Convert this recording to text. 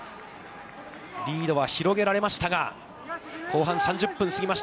リードは広げられましたが、後半３０分過ぎました。